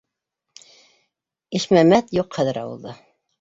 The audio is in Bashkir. Ишмәмәт юҡ хәҙер ауылда.